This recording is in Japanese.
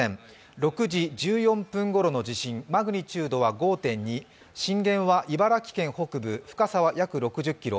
６時１４分ごろの地震マグニチュードは５．２震源は茨城県北部、深さは約６０ｋｍ。